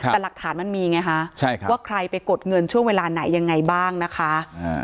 แต่หลักฐานมันมีไงฮะว่าใครไปกดเงินช่วงเวลาไหนยังไงบ้างนะคะ